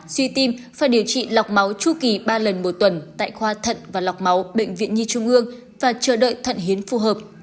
suy tim và điều trị lọc máu chu kỳ ba lần một tuần tại khoa thận và lọc máu bệnh viện nhi trung ương và chờ đợi thận hiến phù hợp